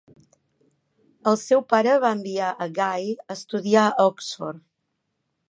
El seu pare va enviar a Ghai a estudiar a Oxford.